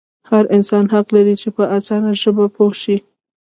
هر انسان حق لري چې په اسانه ژبه پوه شي.